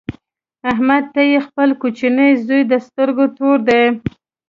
احمد ته یې خپل کوچنۍ زوی د سترګو تور دی.